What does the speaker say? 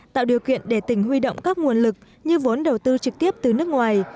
tạo điều kiện để tỉnh huy động các nguồn lực như vốn đầu tư trực tiếp từ nước ngoài